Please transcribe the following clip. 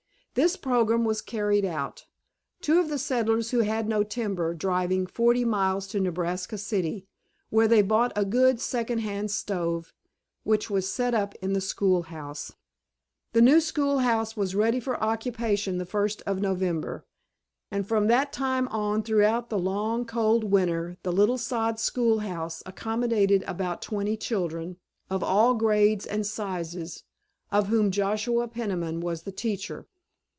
This program was carried out, two of the settlers who had no timber driving forty miles to Nebraska City, where they bought a good second hand stove, which was set up in the schoolhouse. The new schoolhouse was ready for occupation the first of November, and from that time on throughout the long, cold winter the little sod schoolhouse accommodated about twenty children, of all grades and sizes, of whom Joshua Peniman was the teacher.